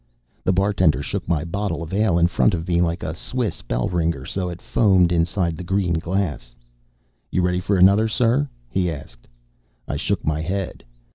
The bartender shook my bottle of ale in front of me like a Swiss bell ringer so it foamed inside the green glass. "You ready for another, sir?" he asked. I shook my head.